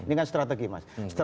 ini kan strategi mas